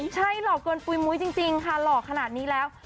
ใช่หล่อเกินปุ๋ยมุ้ยจริงค่ะหล่อขนาดนี้แล้ว